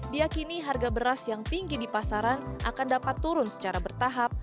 diakini harga beras yang tinggi di pasaran akan dapat turun secara bertahap